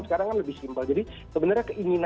sekarang kan lebih simpel jadi sebenarnya keinginan